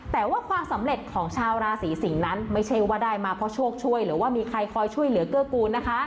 แต่ว่าความสำเร็จของชาวราศีสิงศ์นั้นไม่ใช่ว่าได้มาเพราะโชคช่วยหรือว่ามีใครคอยช่วยเหลือเกื้อกูลนะคะ